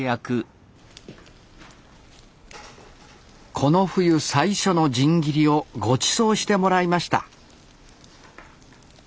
この冬最初の新切りをごちそうしてもらいました